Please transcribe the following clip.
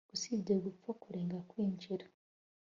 usibye gupfa kurenga kwinjira